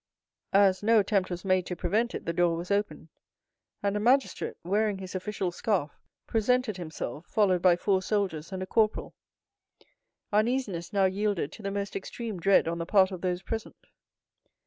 As no attempt was made to prevent it, the door was opened, and a magistrate, wearing his official scarf, presented himself, followed by four soldiers and a corporal. Uneasiness now yielded to the most extreme dread on the part of those present.